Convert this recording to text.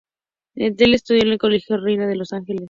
Natalie estudió en el Colegio Reina de los Ángeles.